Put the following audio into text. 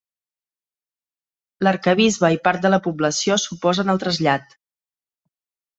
L'arquebisbe i part de la població s'oposen al trasllat.